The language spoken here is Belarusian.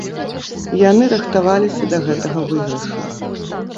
Яны рыхтаваліся да гэтага выйгрышу.